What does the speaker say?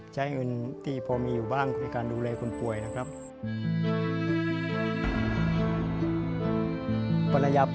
ใช้เงินที่พอมีอยู่บ้างในการดูแลคนป่วยนะครับ